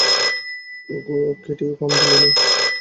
কেটিও কম জ্বলে নি।